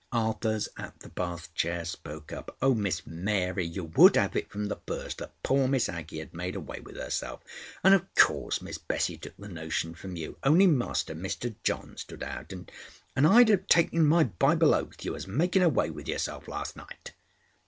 Arthurs at the bath chair spoke up: "Oh, Miss Mary! you would 'ave it from the first that poor Miss Aggie 'ad made away with herself; an', of course, Miss Bessie took the notion from you. Only Master—Mister John stood out, and—and I'd 'ave taken my Bible oath you was making away with yourself last night."